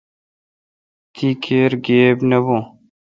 تی کیر گیب نہ بھو۔